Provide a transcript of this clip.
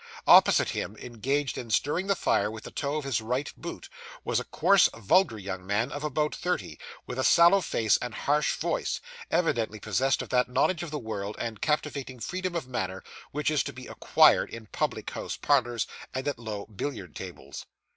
Opposite him, engaged in stirring the fire with the toe of his right boot, was a coarse, vulgar young man of about thirty, with a sallow face and harsh voice; evidently possessed of that knowledge of the world, and captivating freedom of manner, which is to be acquired in public house parlours, and at low billiard tables.